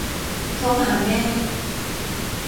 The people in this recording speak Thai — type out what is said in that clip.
โทรหาแม่